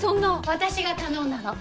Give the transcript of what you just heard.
私が頼んだの。